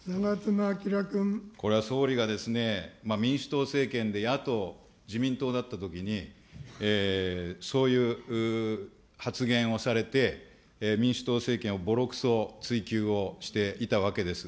これは総理がですね、民主党政権で野党、自民党だったときに、そういう発言をされて、民主党政権をぼろくそ追及をしていたわけです。